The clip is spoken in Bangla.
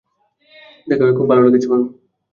দেখা হয়ে খুব ভালো লাগছে, বন্ধু।